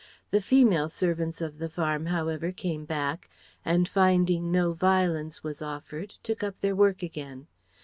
The female servants of the farm, however, came back; and finding no violence was offered took up their work again.